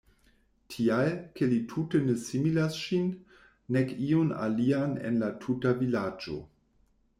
Tial, ke li tute ne similas ŝin, nek iun alian en la tuta vilaĝo.